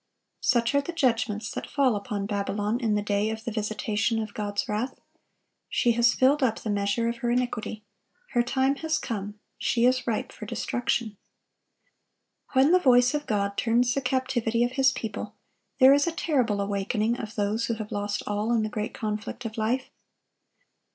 (1132) Such are the judgments that fall upon Babylon in the day of the visitation of God's wrath. She has filled up the measure of her iniquity; her time has come; she is ripe for destruction. When the voice of God turns the captivity of His people, there is a terrible awakening of those who have lost all in the great conflict of life.